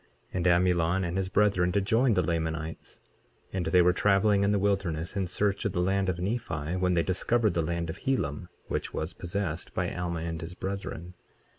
23:35 And Amulon and his brethren did join the Lamanites, and they were traveling in the wilderness in search of the land of Nephi when they discovered the land of Helam, which was possessed by Alma and his brethren.